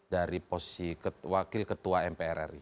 dari posisi wakil ketua mpr ri